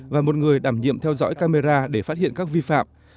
và một người đảm nhiệm theo dõi camera để phát hiện các vi phạm